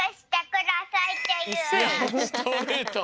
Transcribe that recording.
ストレート。